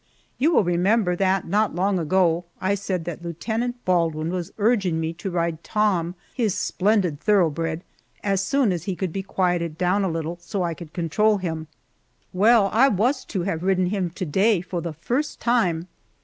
You will remember that not long ago I said that Lieutenant Baldwin was urging me to ride Tom, his splendid thoroughbred, as soon as he could be quieted down a little so I could control him. Well, I was to have ridden him to day for the first time!